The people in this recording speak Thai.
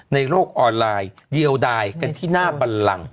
ในโลกออนไลน์เดียวดายกันที่หน้าบันลัง